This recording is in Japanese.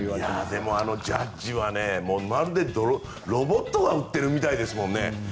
でも、ジャッジはまるでロボットが打ってるみたいですもんね。